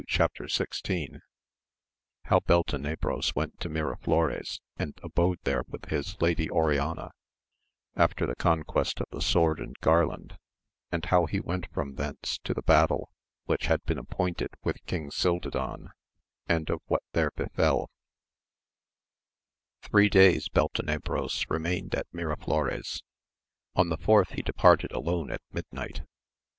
Chap. XYI. ^How Beltenebros went to Miraflore^ and abode there with his Lady Oriana after the conquest of the Sword aad Garhtnd, and how he went from thence to the battle which had been appointed with King Oildadan, and of what there befeL [HEEE days Beltenebros remained at Mira flores, on the fourth he departed alone at midnight.